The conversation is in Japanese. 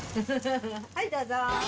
はい、どうぞ。